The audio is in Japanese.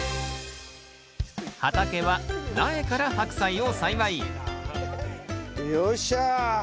畑は苗からハクサイを栽培よっしゃ！